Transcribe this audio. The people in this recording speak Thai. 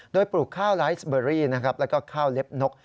โดยปลูกข้าวไลฟ์สเบอรี่แล้วก็ข้าวเล็บนก